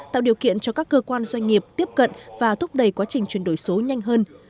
tạo điều kiện cho các cơ quan doanh nghiệp tiếp cận và thúc đẩy quá trình chuyển đổi số nhanh hơn